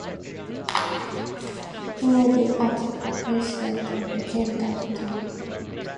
Finney was President of Kendal Town.